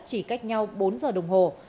chỉ cách nhau bốn giờ đồng hồ